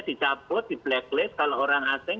dicabut di blacklist kalau orang asing